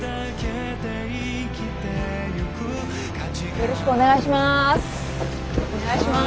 よろしくお願いします。